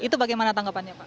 itu bagaimana tanggapannya pak